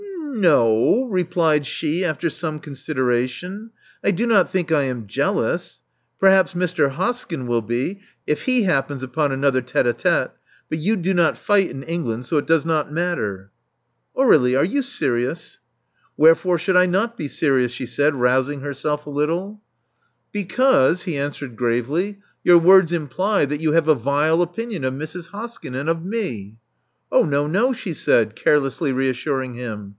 "N — no,*' replied she, after some consideration. "I do not think I am jealous. Perhaps Mr. Hoskyn will be, if he happens upon another tite h tite. But you do not fight in England, so it does not matter." "Aur^lie: are you serious?" "Wherefore should I not be serious?" she said, rousing herself a little. 4o8 Love Among the Artists Because, he answered gravely, *'your words imply that you have a vile opinion of Mrs. Hoskyn and of me." Oh, no, no,*' she said, carelessly reassuring him.